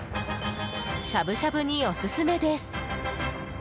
しゃぶしゃぶにおすすめです。